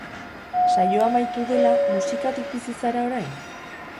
Saioa amaitu dela, musikatik bizi zara orain?